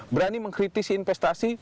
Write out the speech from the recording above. berani mengkritisi investasi